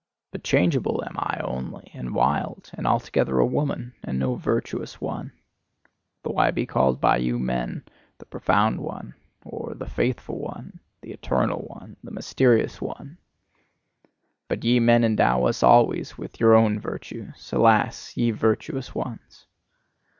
But changeable am I only, and wild, and altogether a woman, and no virtuous one: Though I be called by you men the 'profound one,' or the 'faithful one,' 'the eternal one,' 'the mysterious one.' But ye men endow us always with your own virtues alas, ye virtuous ones!"